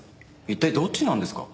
一体どっちなんですか？